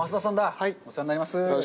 お世話になります。